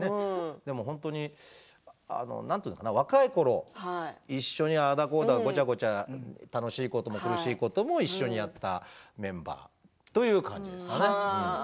でも本当に、若いころ一緒に、ああだ、こうだ楽しいことも、苦しいことも一緒にやったメンバーという感じですね。